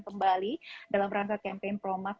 kembali dalam rangka campaign promak